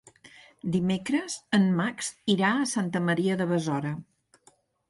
Dimecres en Max irà a Santa Maria de Besora.